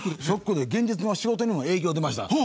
ショックで現実の仕事にも影響出ました。